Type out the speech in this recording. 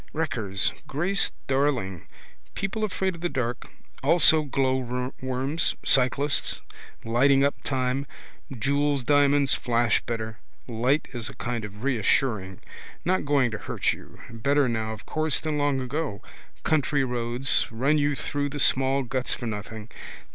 Wreckers. Grace Darling. People afraid of the dark. Also glowworms, cyclists: lightingup time. Jewels diamonds flash better. Women. Light is a kind of reassuring. Not going to hurt you. Better now of course than long ago. Country roads. Run you through the small guts for nothing.